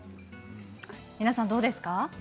皆さん、どうですか？